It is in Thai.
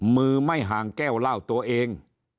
มือไม่ห่างแก้วเหล้าตัวเอง